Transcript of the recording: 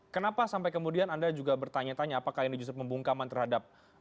kenapa sampai kemudian anda juga bertanya tanya apakah ini justru pembungkaman terhadap